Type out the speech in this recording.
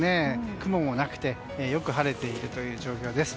雲もなくてよく晴れているという状況です。